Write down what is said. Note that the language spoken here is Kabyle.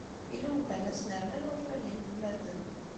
Ilugan-a snernan urfan n yinelmaden.